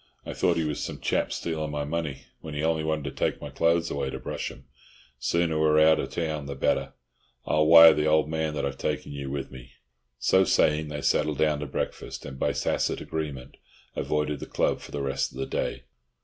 I thought he was some chap stealing my money, when he only wanted to take my clothes away to brush 'em. Sooner we're out of town the better. I'll wire to the old man that I've taken you with me." So saying, they settled down to breakfast, and by tacit agreement avoided the club for the rest of the day.